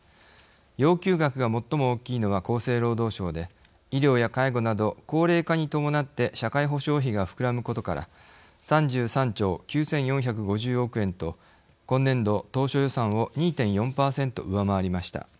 要求額が最も大きいのは厚生労働省で医療や介護など高齢化に伴って社会保障費が膨らむことから３３兆９４５０億円と今年度当初予算を２．４％上回りました。